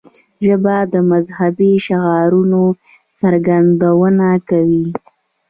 ژبه د مذهبي شعائرو څرګندونه کوي